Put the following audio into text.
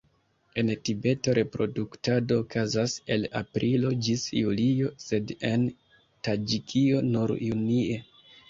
En Tibeto reproduktado okazas el aprilo ĝis julio, sed en Taĝikio nur junie.